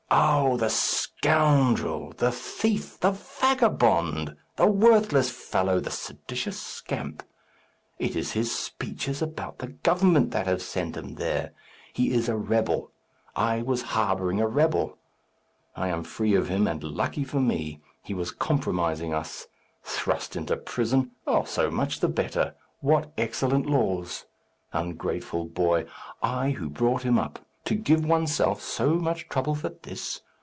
Oh, the scoundrel! the thief! the vagabond! the worthless fellow! the seditious scamp! It is his speeches about the government that have sent him there. He is a rebel. I was harbouring a rebel. I am free of him, and lucky for me; he was compromising us. Thrust into prison! Oh, so much the better! What excellent laws! Ungrateful boy! I who brought him up! To give oneself so much trouble for this!